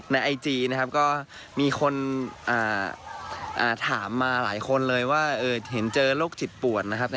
ไอจีนะครับก็มีคนถามมาหลายคนเลยว่าเห็นเจอโรคจิตป่วนนะครับ